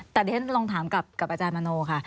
แต่เดี๋ยวฉันลองถามกับอาจารย์มโนค่ะ